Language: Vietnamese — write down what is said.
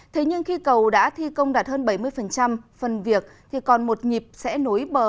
thế nhưng khi cầu đã thi công đạt hơn bảy mươi phần việc thì còn một nhịp sẽ nối bờ